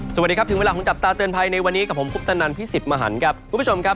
สวัสดีครับถึงเวลาของจับตาเตือนภัยในวันนี้กับผมคุปตนันพี่สิทธิ์มหันครับคุณผู้ชมครับ